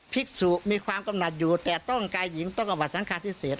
ภิกษุมีความกำหนัดอยู่แต่ต้องกายหญิงต้องการวัฒนฆาตที่เสร็จ